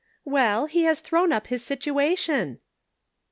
" Well, he has thrown up his situation."